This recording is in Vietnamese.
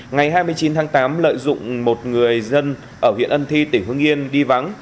ngày hai mươi chín tháng tám lợi dụng một người dân ở huyện ân thi tỉnh hương yên đi vắng